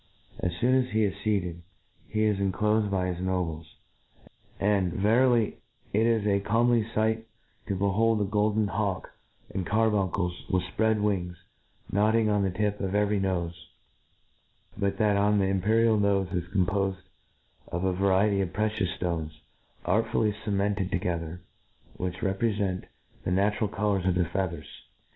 As feon as he is featcd, he is cur clofed by his nobles ; and, verily, it is a comer ly fight to behold ^ golden hawk and carbuncle^ with fpread wings, nodding on the tip of every nofe ; but that on the imperial nofe is compofed of a variety of precious fto^es, artfully cemented to gether, which reprefent the natural colours of the feathers.